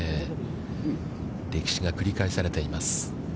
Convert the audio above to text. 歴史が繰り返されています。